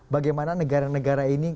bagaimana negara negara ini